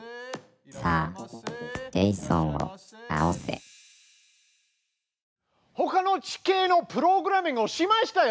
さあジェイソンをなおせほかの地形のプログラミングをしましたよ！